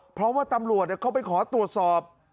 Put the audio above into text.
เพราะว่าตำรวจเข้าไปขอตรวจสอบ